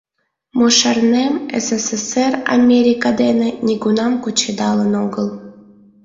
— Мо шарнем, СССР Америка дене нигунам кучедалын огыл.